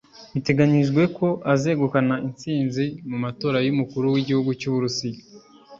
biteganyijwe ko azegukana intsinzi mu matora y’Umukuru w’Igihugu cy’u Burusiya